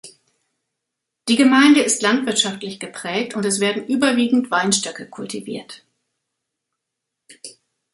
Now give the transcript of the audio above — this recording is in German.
Die Gemeinde ist landwirtschaftlich geprägt und es werden überwiegend Weinstöcke kultiviert.